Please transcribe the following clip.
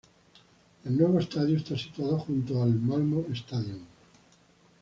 El nuevo estadio está situado junto al Malmö Stadion.